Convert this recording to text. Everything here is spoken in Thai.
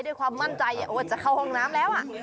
ด้วยความมั่นใจว่าจะเข้าห้องน้ำแล้ว